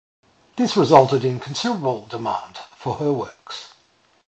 This resulted in considerable demand for her works.